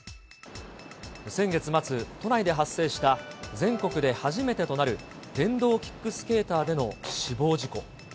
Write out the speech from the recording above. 先月末、都内で発生した全国で初めてとなる電動キックスケーターでの死亡事故。